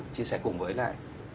chia sẻ cùng với lại